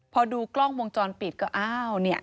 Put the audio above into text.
พอดูกล้องวงจรปิดก็อ้าวเนี่ย